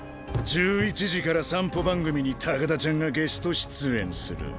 １１時から散歩番組に高田ちゃんがゲスト出演する。